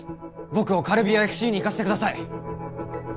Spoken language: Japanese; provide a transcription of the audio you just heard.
僕をカルビアＦＣに行かせてください